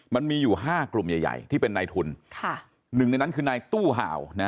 มันมีอยู่๕กลุ่มใหญ่ที่เป็นนายทุนหนึ่งในนั้นคือนายตู้ห่าว